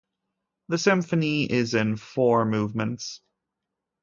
The symphony is in four movements.